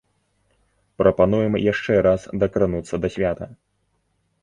Прапануем яшчэ раз дакрануцца да свята.